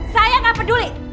saya gak peduli